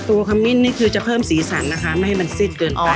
ขมิ้นนี่คือจะเพิ่มสีสันนะคะไม่ให้มันสิ้นเกินออก